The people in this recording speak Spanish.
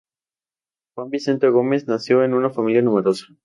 Juan Vicente Gómez nació en una familia numerosa.